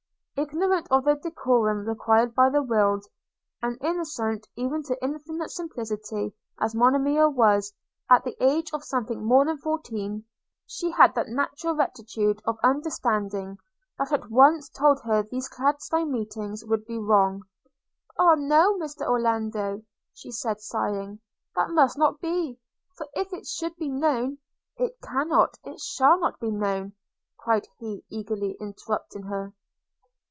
Ignorant of the decorum required by the world, and innocent, even to infantine simplicity, as Monimia was, at the age of something more than fourteen she had that natural rectitude of understanding, that at once told her these clandestine meetings would be wrong. 'Ah no, Mr Orlando,' said she sighing, 'that must not be; for if it should be known –' 'It cannot, it shall not be known,' cried he, eagerly interrupting her.